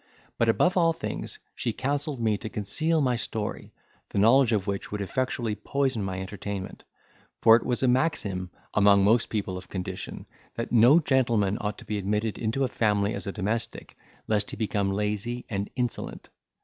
But, above all things, she counselled me to conceal my story, the knowledge of which would effectually poison my entertainment; for it was a maxim, among most people of condition, that no gentleman ought to be admitted into a family as a domestic, lest he become lazy, and insolent.